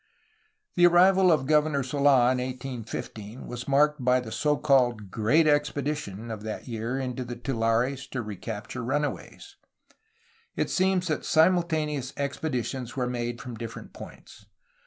The arrival of Governor Sold in 1815 was marked by the so called ^^great expedition'^ of that year into the tulares to recapture runaways. It seems that simultaneous expeditions were made from different points.